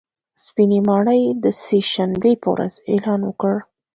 سپینې ماڼۍ د سې شنبې په ورځ اعلان وکړ